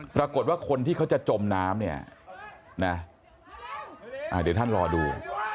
ปรากฏว่าคนที่เขาจะจมน้ำเนี่ยนะเดี๋ยวท่านรอดู